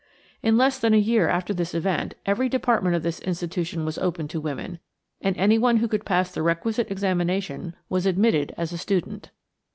In less than a year after this event every department of this institution was open to women, and any one who could pass the requisite examination was admitted as a student.